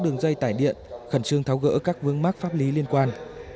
đường dây tải điện khẩn trương tháo gỡ các vướng mắc pháp lý liên quan